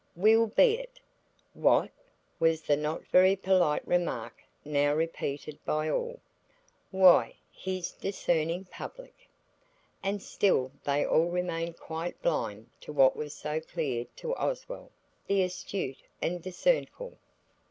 "We'll be it." "What?" was the not very polite remark now repeated by all. "Why, his discerning public." And still they all remained quite blind to what was so clear to Oswald, the astute and discernful.